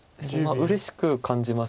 うれしく感じます